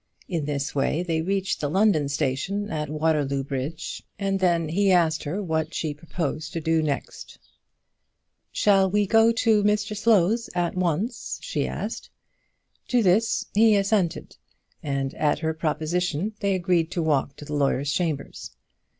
In this way they reached the London station at Waterloo Bridge, and then he asked her what she proposed to do next. "Shall we go to Mr Slow's at once?" she asked. To this he assented, and at her proposition they agreed to walk to the lawyer's chambers.